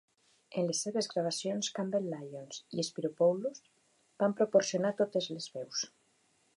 En les seves gravacions Campbell-Lyons i Spyropoulos van proporcionar totes les veus.